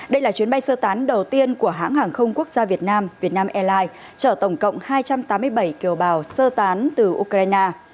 đây là chuyến bay sơ tán đầu tiên của hãng hàng không quốc gia việt nam vietnam airlines chở tổng cộng hai trăm tám mươi bảy kiều bào sơ tán từ ukraine